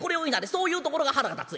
そういうところが腹が立つ。